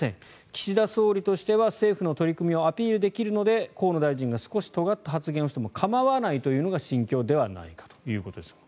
岸田総理としては政府の取り組みをアピールできるので河野大臣が少しとがった発言をしても構わないというのが心境ではないかということですが。